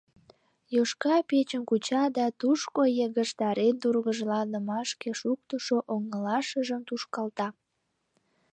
Йошка печым куча да тушко йыгыжтарен тургыжланымашке шуктышо оҥылашыжым тушкалта.